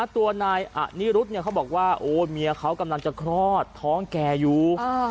ตัวนายอนิรุธเขาบอกว่าโอ้เมียเขากำลังจะคลอดท้องแก่อยู่